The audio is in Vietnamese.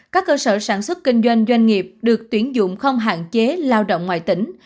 các cơ sở sản xuất kinh doanh doanh nghiệp được tuyển dụng không hạn chế lao động ngoài tỉnh